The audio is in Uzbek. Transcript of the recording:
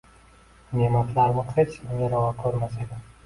Ne’matlarini hech kimga ravo ko’rmas edi.